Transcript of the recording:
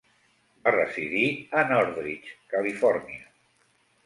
Va residir a Northridge, Califòrnia.